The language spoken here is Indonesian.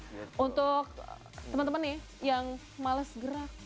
nah untuk teman teman nih yang males gerak